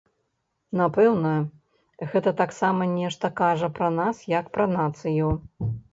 Напэўна, гэта таксама нешта кажа пра нас як пра нацыю.